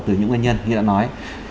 từ những nguyên nhân như đã nói